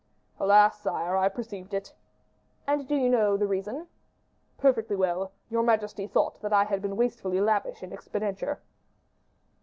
"Alas! sire, I perceived it." "And do you know the reason?" "Perfectly well; your majesty thought that I had been wastefully lavish in expenditure."